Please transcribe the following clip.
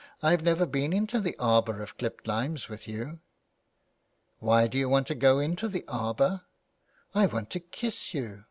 '^ I have never been into the arbour of clipped limes with you." " Why do you want to go into the arbour ?"" I want to kiss you.